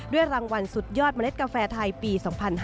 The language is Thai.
รางวัลสุดยอดเมล็ดกาแฟไทยปี๒๕๕๙